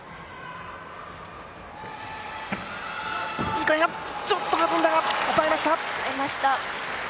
２回半、ちょっとはずんだが抑えました。